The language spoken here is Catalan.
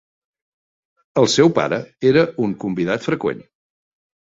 El seu pare era un convidat freqüent.